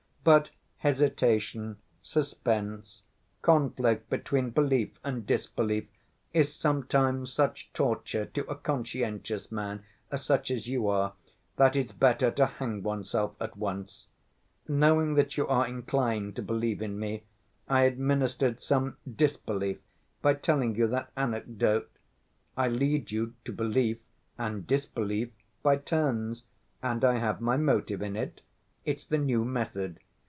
But hesitation, suspense, conflict between belief and disbelief—is sometimes such torture to a conscientious man, such as you are, that it's better to hang oneself at once. Knowing that you are inclined to believe in me, I administered some disbelief by telling you that anecdote. I lead you to belief and disbelief by turns, and I have my motive in it. It's the new method.